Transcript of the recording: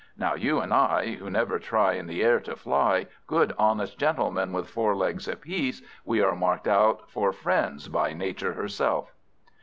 Now you and I, who never try in the air to fly, good honest gentlemen with four legs apiece, we are marked out for friends by Nature herself."